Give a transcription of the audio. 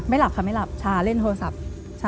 หลับค่ะไม่หลับชาเล่นโทรศัพท์